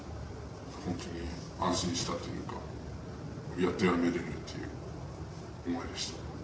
本当に安心したというか、やっとやめれるっていう思いでした。